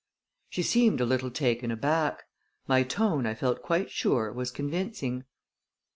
She seemed a little taken aback. My tone, I felt quite sure, was convincing.